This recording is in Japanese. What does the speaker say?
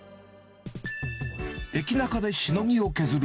エキナカでしのぎを削る